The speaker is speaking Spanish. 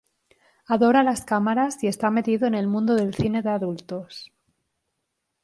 Adora las cámaras y está metido en el mundo del cine de adultos.